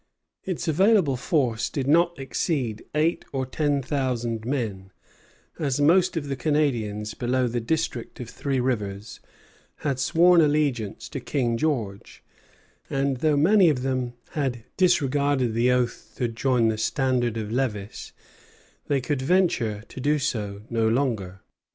Its available force did not exceed eight or ten thousand men, as most of the Canadians below the district of Three Rivers had sworn allegiance to King George; and though many of them had disregarded the oath to join the standard of Lévis, they could venture to do so no longer.